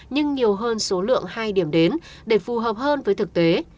nhưng nhiều hơn số lượng hai điểm đến để phù hợp hơn với thực tế